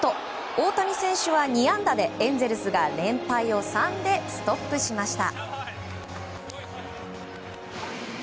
大谷選手は２安打でエンゼルスが連敗を３でストップしました。